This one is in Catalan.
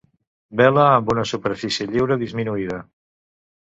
Vela amb una superfície lliure disminuïda.